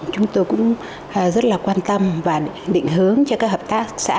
chúng tôi cũng rất là quan tâm và định hướng cho các hợp tác xã